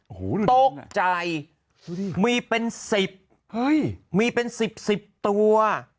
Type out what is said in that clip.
โอ้โหตกใจมีเป็น๑๐มีเป็น๑๐ตัว